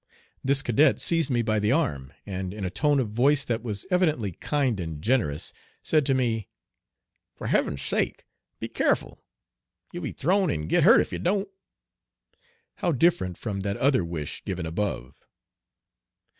This cadet seized me by the arm, and in a tone of voice that was evidently kind and generous, said to me, "For heaven's sake be careful. You'll be thrown and get hurt if you don't." How different from that other wish given above!